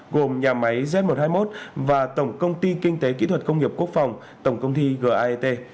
gồm nhà máy z một trăm hai mươi một và tổng công ty kinh tế kỹ thuật công nghiệp quốc phòng tổng công ty gat